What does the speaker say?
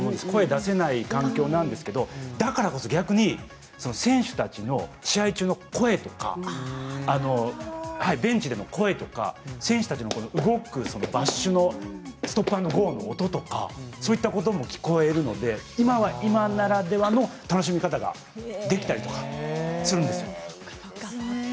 声が出せない環境なんですけどだからこそ逆に選手たちの試合中の声とかベンチでの声とか選手たちの動くバッシュのストップアンドゴーのゴムの音とかそういった音も聞こえるので今は今ならではの楽しみ方ができたりするんですよ。